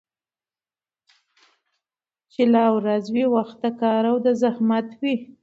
چي لا ورځ وي وخت د كار او د زحمت وي